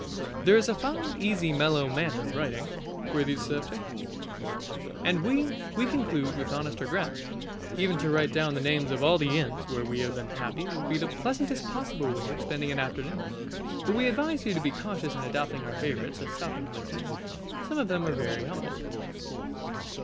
There is a fine, easy, mellow manner of writing, worthy the subject. And we we conclude with honest regret. Even to write down the names of all the inns where we have been happy would be the pleasantest possible way of spending an afternoon. But we advise you to be cautious in adopting our favourites as stopping places. Some of them are very humble.